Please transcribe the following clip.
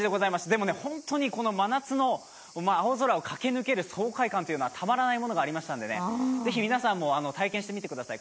でも本当にこの真夏の駆け抜ける爽快感というのはたまらないものがありましたので、ぜひ皆さんも体験してみてください。